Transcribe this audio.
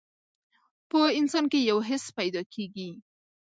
په انسان کې يو حس پيدا کېږي.